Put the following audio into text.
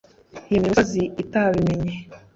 yimura imisozi itabimenye